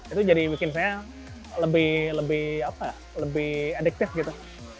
itu jadi bikin saya lebih adiktif gitu